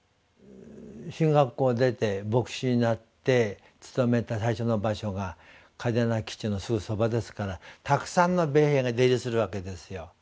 神学校を出て牧師になって勤めた最初の場所が嘉手納基地のすぐそばですからたくさんの米兵が出入りするわけですよ。